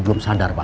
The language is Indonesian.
bila sudah bai